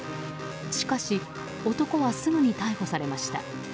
しかし、男はすぐに逮捕されました。